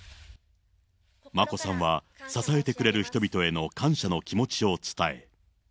眞子さんは支えてくれる人々への感謝の気持ちを伝え。